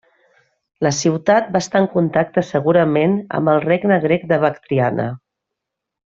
La ciutat va restar en contacte segurament amb el Regne Grec de Bactriana.